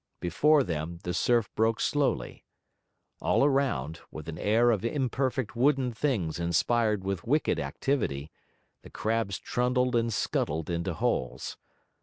Before them the surf broke slowly. All around, with an air of imperfect wooden things inspired with wicked activity, the crabs trundled and scuttled into holes.